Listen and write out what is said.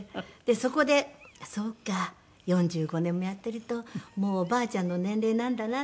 そこでそうか４５年もやってるともうおばあちゃんの年齢なんだなって